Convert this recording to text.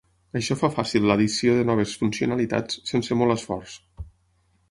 Això fa fàcil l'addició de noves funcionalitats sense molt esforç.